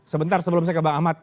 sebentar sebelum saya ke bang ahmad